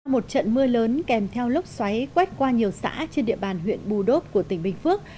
một trận mưa lớn kèm theo lốc xoáy quét qua nhiều xã trên địa bàn huyện bù đốp của tỉnh bình phước